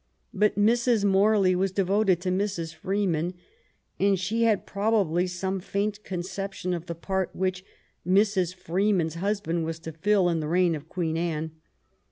But Mrs. Morley was devoted to Mrs. Freeman, and she had probably some faint conception of the part which Mrs. Freeman's husband was to flU in the reign of Queen Anne.